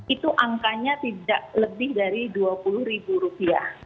itu angkanya tidak lebih dari rp dua puluh